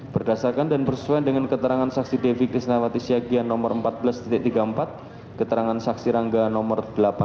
berdasarkan dan bersuai dengan keterangan saksi devi krisnawati syagian nomor empat belas tiga puluh empat keterangan saksi rangga nomor delapan dua puluh tiga